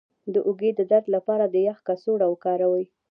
د اوږې د درد لپاره د یخ کڅوړه وکاروئ